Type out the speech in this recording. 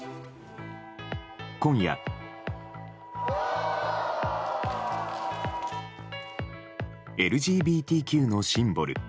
今夜、ＬＧＢＴＱのシンボル